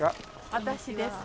私ですか？